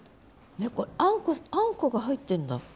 これあんこが入ってるんだ。